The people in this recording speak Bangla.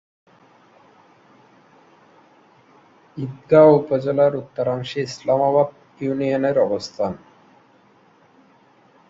ঈদগাঁও উপজেলার উত্তরাংশে ইসলামাবাদ ইউনিয়নের অবস্থান।